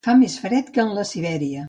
Fer més fred que en la Sibèria.